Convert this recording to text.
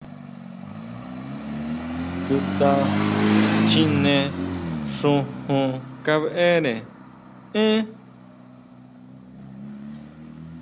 ¿Chuta chjine xujun kabeʼre én?